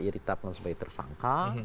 iritabkan sebagai tersangka